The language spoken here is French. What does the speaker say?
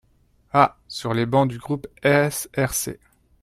Ah sur les bancs du groupe SRC.